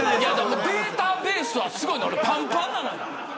データベースは、すごいのよぱんぱんなのよ。